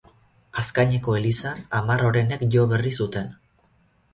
Azkaineko elizan hamar orenek jo berri zuten.